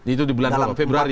itu di bulan februari